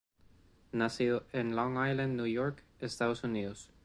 Nacido en Long Island, New York, Estados Unidos.